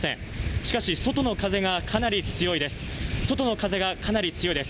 しかし、外の風がかなり強いです。